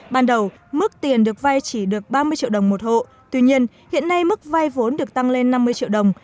ban đầu mức tiền được vay chỉ được ba mươi triệu đồng một hộ tuy nhiên hiện nay mức vay vốn được tăng lên năm mươi triệu đồng